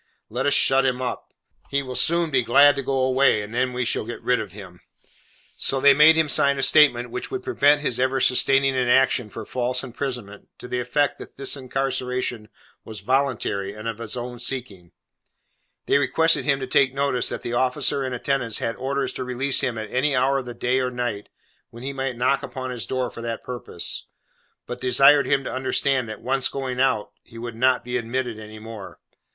Let us shut him up. He will soon be glad to go away, and then we shall get rid of him.' So they made him sign a statement which would prevent his ever sustaining an action for false imprisonment, to the effect that his incarceration was voluntary, and of his own seeking; they requested him to take notice that the officer in attendance had orders to release him at any hour of the day or night, when he might knock upon his door for that purpose; but desired him to understand, that once going out, he would not be admitted any more.